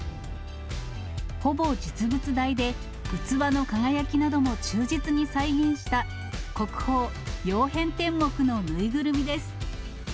ほぼ実物大で、器の輝きなども忠実に再現した、国宝、曜変天目の縫いぐるみです。